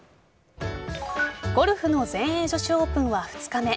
ゴルフの全英女子オープンは２日目。